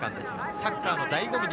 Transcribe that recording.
サッカーの醍醐味で